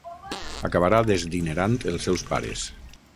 Acabarà desdinerant els seus pares.